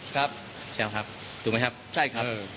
ครับใช่ครับถูกไหมครับใช่ครับ